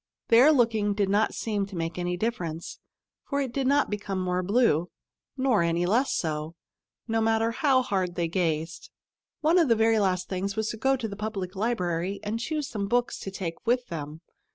Their looking did not seem to make any difference, for it did not become more blue, nor any less so, no matter how hard they gazed. One of the very last things was to go to the Public Library and choose some books to take with them.